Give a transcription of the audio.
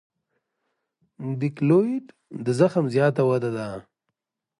د کیلویډ د زخم زیاته وده ده.